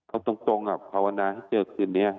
เอาตรงภาวนาให้เจอคืนนี้